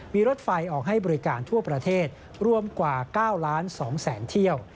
มีรถไฟออกให้บริการทั่วประเทศรวมกว่า๙๒๐๐๐เที่ยว